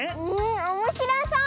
おもしろそう！